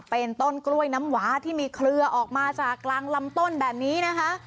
เป็นต้นกล้วยน้ำหวาที่มีเคลือออกมาจากกลางลำต้นแบบนี้นะคะ